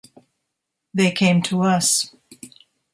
They came to us.